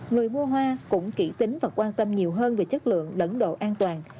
người mua hoa cũng kỷ tính và quan tâm nhiều hơn về chất lượng lẫn độ an toàn